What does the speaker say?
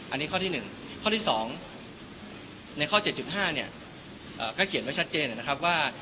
อันนี้ข้อที่๑ข้อที่๒ในข้อ๗๕เนี่ยก็เขียนไว้ชัดเจนนะครับว่า